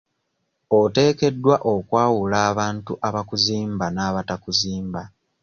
Oteekeddwa okwalu abantu abakuzimba n'abatakuzimba.